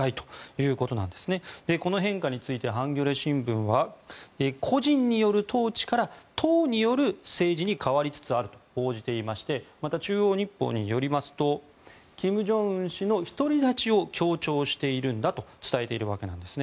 この変化についてハンギョレ新聞は個人による統治から党による政治に変わりつつあると報じておりましてまた、中央日報によりますと金正恩氏の独り立ちを強調しているんだと伝えています。